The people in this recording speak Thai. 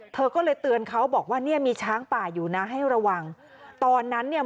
เธอก็เลยเตือนเขาบอกว่าเนี่ยมีช้างป่าอยู่นะให้ระวังตอนนั้นเนี่ย